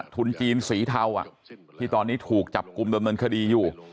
ทุนจีนสีเทาที่ตอนนี้ถูกจับกลุ่มดำเนินคดีอยู่